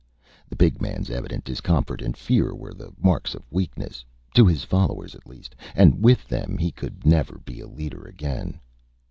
The big man's evident discomfort and fear were the marks of weakness to his followers at least; and with them, he could never be a leader, again.